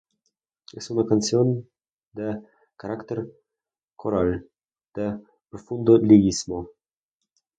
Es una canción de carácter coral, de profundo lirismo.